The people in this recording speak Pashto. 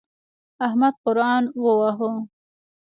احمد قرآن وواهه.